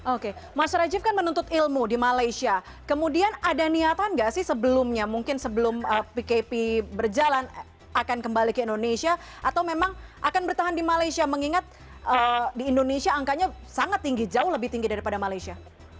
oke mas rajiv kan menuntut ilmu di malaysia kemudian ada niatan nggak sih sebelumnya mungkin sebelum pkp berjalan akan kembali ke indonesia atau memang akan bertahan di malaysia mengingat di indonesia angkanya sangat tinggi jauh lebih tinggi daripada malaysia